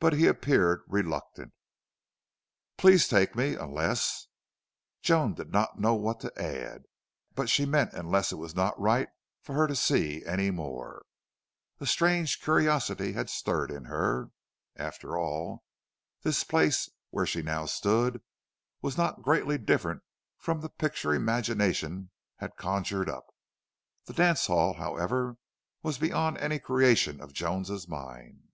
But he appeared reluctant. "Please take me unless " Joan did not know what to add, but she meant unless it was not right for her to see any more. A strange curiosity had stirred in her. After all, this place where she now stood was not greatly different from the picture imagination had conjured up. That dance hall, however, was beyond any creation of Joan's mind.